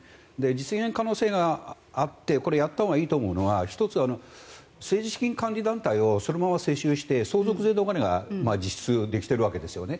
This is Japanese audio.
実現可能性があってこれ、やったほうがいいと思うのは１つは政治資金管理団体をそのまま世襲して相続税逃れが実質できているわけですよね。